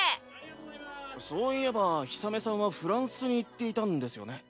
そういえば氷雨さんはフランスに行っていたんですよね。